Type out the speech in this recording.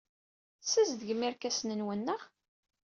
Tessazedgem irkasen-nwen, naɣ?